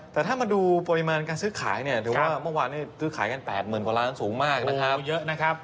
แต่ถ้ามาดูปริมาณการซื้อขายถือว่าเมื่อวานนี้ซื้อขายกัน๘หมื่นกว่าล้านสูงมากนะครับ